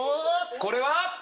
これは？